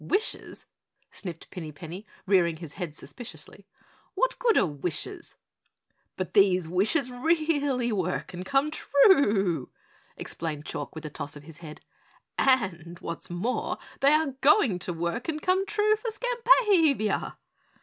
"Wishes?" sniffed Pinny Penny, rearing his head suspiciously. "What good are wishes?" "But these wishes really work and come true," explained Chalk with a toss of his head, "and what's more they are going to work and come true for Skampavia!"